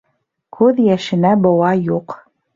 Күҙ йәшенә быуа юҡ.